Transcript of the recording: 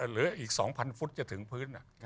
เหลืออีก๒๐๐ฟุตจะถึงพื้น